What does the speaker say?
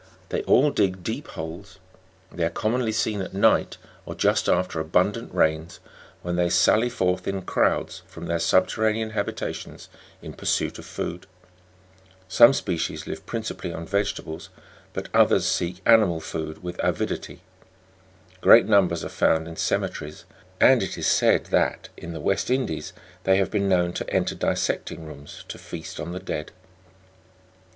They all dig deep holes. They are commonly seen at night, or just after abundant rains, , Fig. 64. LAND CRAB. when they sally forth in crowds from their subterranean habitations in pursuit of food , some species live principally on vegetables ; but others seek ani mal food with avidity; great numbers are found in cemeteries; and, it is said that, in the West Indies, they have been known to enter dissecting rooms to feast on the dead.